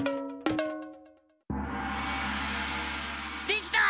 できた！